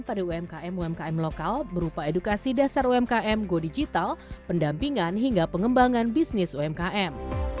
pada umkm umkm lokal berupa edukasi dasar umkm go digital pendampingan hingga pengembangan bisnis umkm